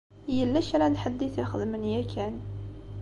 Yella kra n ḥedd i t-ixedmen yakan.